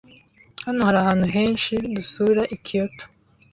Hano hari ahantu henshi dusura i Kyoto.